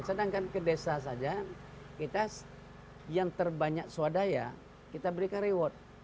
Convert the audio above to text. sedangkan ke desa saja kita yang terbanyak swadaya kita berikan reward